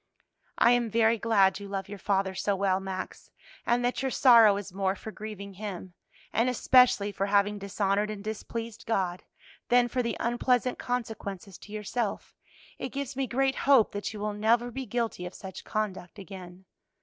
"I am very glad you love your father so well, Max, and that your sorrow is more for grieving him, and especially for having dishonored and displeased God, than for the unpleasant consequences to yourself; it gives me great hope that you will never be guilty of such conduct again.